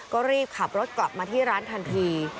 ก็รีบขับรถกลับมาที่ร้านทันที